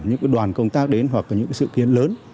những đoàn công tác đến hoặc những sự kiến lớn